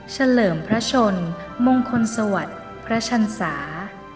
เลิมพระชนมงคลสวัสดิ์พระชันศา